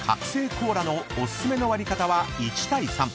コーラのお勧めの割り方は１対３］